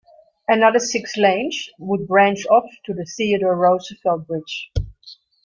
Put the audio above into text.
Another six lanes would branch off to the Theodore Roosevelt Bridge.